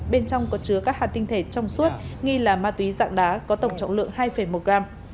bên trong có chứa các hạt tinh thể trong suốt nghi là ma túy dạng đá có tổng trọng lượng hai một gram